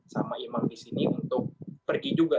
sama imam di sini untuk pergi juga